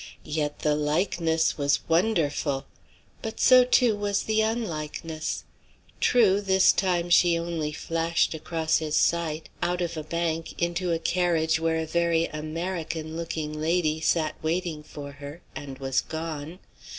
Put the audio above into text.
Yet the likeness was wonderful. But so, too, was the unlikeness. True, this time, she only flashed across his sight out of a bank, into a carriage where a very "American" looking lady sat waiting for her and was gone.